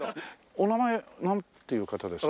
お名前なんていう方ですか？